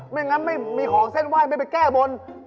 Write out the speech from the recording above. ไม่งั้นไม่มีของเส้นไหว้ไม่ไปแก้บน